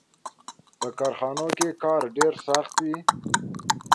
• په کارخانو کې کار ډېر سخت و.